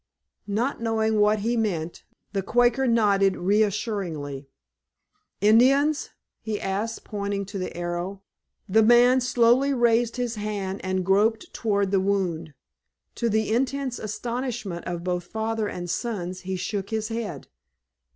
Not knowing what he meant, the Quaker nodded reassuringly. "Indians?" he asked, pointing to the arrow. The man slowly raised his hand and groped toward the wound. To the intense astonishment of both father and sons he shook his head.